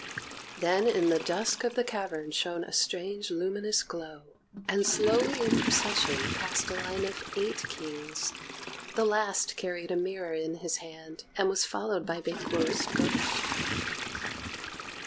Then in the dusk of the cavern shone a strange luminous glow, and slowly in procession passed a line of eight Kings; the last carried a mirror in his hand, and was followed by Banquo's ghost.